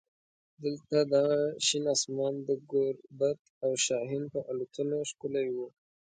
دلته دغه شین اسمان د ګوربت او شاهین په الوتنو ښکلی و.